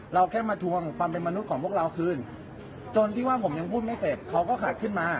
แค่มาทวงความเป็นมนุษย์ของพวกเราคืนจนที่ว่าผมยังพูดไม่เสร็จเขาก็ขาดขึ้นมา